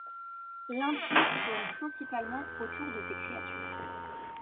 L'intrigue tourne principalement autour de ces créatures.